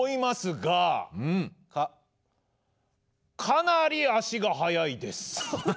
かなり足が速いです。